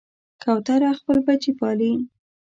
کوتره خپل بچي پالي.